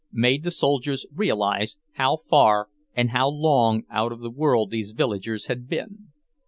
made the soldiers realize how far and how long out of the world these villagers had been.